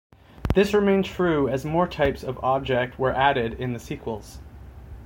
This remained true as more types of object were added in the sequels.